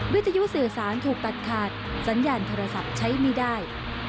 วิทยุสื่อสารถูกตัดขาดสัญญาณโทรศัพท์ใช้ไม่ได้